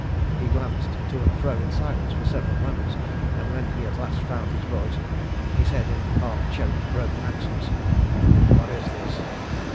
He glanced to and fro in silence for several moments, and when he at last found his voice he said, in half choked, broken accents "What is this?